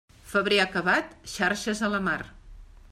Febrer acabat, xarxes a la mar.